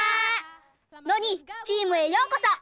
ノニチームへようこそ！